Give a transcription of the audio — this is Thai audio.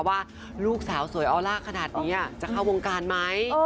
ว่าลูกสาวสวยออล่าขนาดนี้จะเข้าวงการไหม